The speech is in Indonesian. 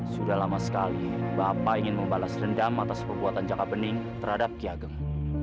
sudah lama sekali bapak ingin membalas dendam atas perbuatan jaka bening terhadap kiageng